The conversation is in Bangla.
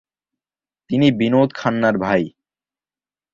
তিনি বিনোদ খান্নার ভাই।